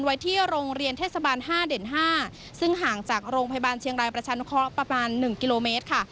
ไว้ที่โรงเรียนเทศบาล๕เด่น๕ซึ่งห่างจากโรงพยาบาลเชียงรายประชานุเคราะห์ประมาณ๑กิโลเมตรค่ะ